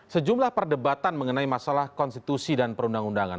sejumlah perdebatan mengenai masalah konstitusi dan perundang undangan